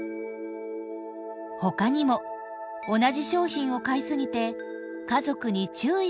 ほかにも同じ商品を買いすぎて家族に注意されるという悩みも。